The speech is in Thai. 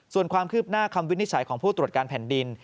ส่วนความคืบหน้าคำวินิจฉัยของผู้ตรวจการแผ่นดิน